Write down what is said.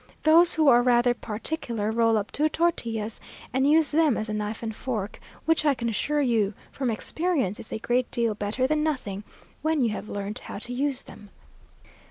Those who are rather particular, roll up two tortillas, and use them as a knife and fork, which, I can assure you from experience, is a great deal better than nothing, when you have learnt how to use them.